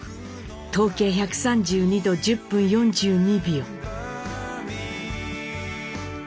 東経１３２度１０分４２秒。